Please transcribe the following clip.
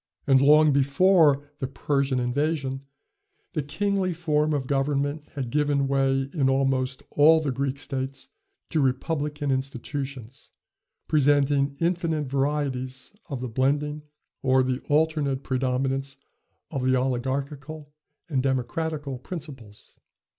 And long before the Persian invasion, the kingly form of government had given way in almost all the Greek states to republican institutions, presenting infinite varieties of the blending or the alternate predominance of the oligarchical and democratical principles.